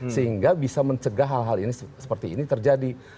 sehingga bisa mencegah hal hal ini seperti ini terjadi